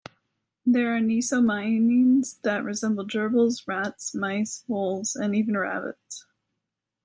There are nesomyines that resemble gerbils, rats, mice, voles, and even rabbits.